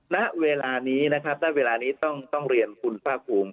ณเวลานี้นะครับณเวลานี้ต้องเรียนคุณภาคภูมิ